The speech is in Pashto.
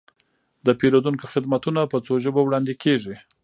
د پیرودونکو خدمتونه په څو ژبو وړاندې کیږي.